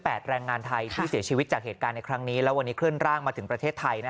แรงงานไทยที่เสียชีวิตจากเหตุการณ์ในครั้งนี้แล้ววันนี้เคลื่อนร่างมาถึงประเทศไทย